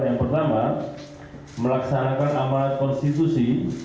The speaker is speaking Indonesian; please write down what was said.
yang pertama melaksanakan amanat konstitusi